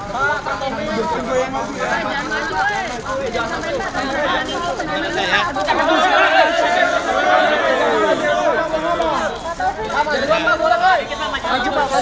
jangan maju jangan maju